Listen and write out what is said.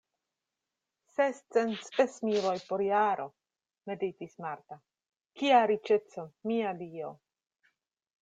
Sescent spesmiloj por jaro, meditis Marta, kia riĉeco, mia Dio!